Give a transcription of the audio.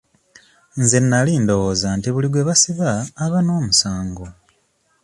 Nze nali ndowooza nti buli gwe basiba aba n'omusango.